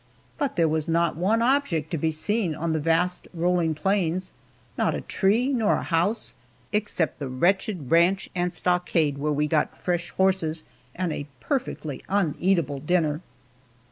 But there was not one object to be seen on the vast rolling plains not a tree nor a house, except the wretched ranch and stockade where we got fresh horses and a perfectly uneatable dinner.